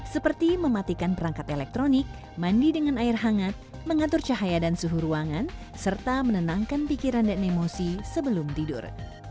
seperti mematikan perangkat elektronik mandi dengan air hangat mengatur cahaya dan suhu ruangan serta menenangkan pikiran dan emosi sebelum tidur